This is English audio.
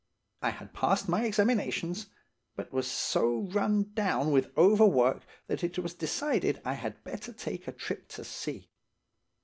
I had passed my examinations, but was so run down with overwork that it was decided that I had better take a trip to sea.